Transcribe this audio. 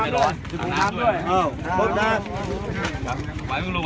ได้ร้อน